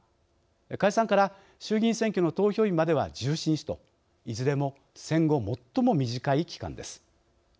解散から衆議院選挙の投票日までは１７日といずれも戦後最も短い期間です。